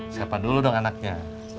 siapa dulu dong anaknya